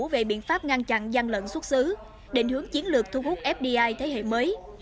về biện pháp ngăn chặn gian lận xuất xứ định hướng chiến lược thu hút fdi thế hệ mới